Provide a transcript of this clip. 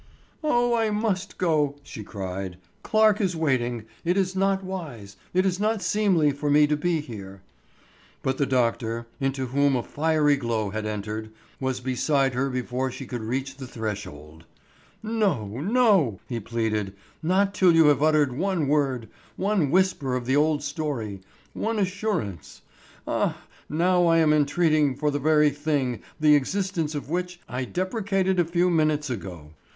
"Oh, I must go," she cried. "Clarke is waiting; it is not wise; it is not seemly for me to be here." But the doctor, into whom a fiery glow had entered, was beside her before she could reach the threshold. "No, no," he pleaded, "not till you have uttered one word, one whisper of the old story; one assurance—Ah, now I am entreating for the very thing, the existence of which, I deprecated a few minutes ago!